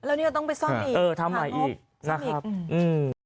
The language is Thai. แล้วนี้ก็ต้องไปซ่อมอีกหางบซ่อมอีก